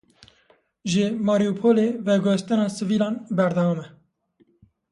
Ji Marîupolê veguhestina sivîlan berdewam e.